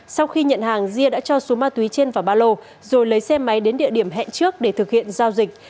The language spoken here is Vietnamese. sau khi nhận hàng dia đã cho số ma túy trên vào ba lô rồi lấy xe máy đến địa điểm hẹn trước để thực hiện giao dịch